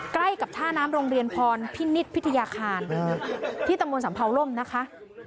ใกล้กับท่าน้ำโรงเรียนพรพินิษฐพิทยาคารที่ตำบลสัมเภาล่มนะคะ